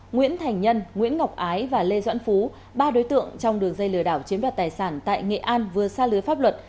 nguyễn thành nhân nguyễn ngọc ái và lê doãn phú ba đối tượng trong đường dây lừa đảo chiếm đoạt tài sản tại nghệ an vừa xa lưới pháp luật